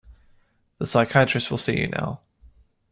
The psychiatrist will see you now.